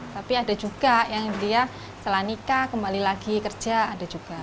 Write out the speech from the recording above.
tapi ada juga yang dia setelah nikah kembali lagi kerja ada juga